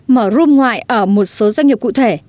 mở rome ngoại ở một số doanh nghiệp cụ thể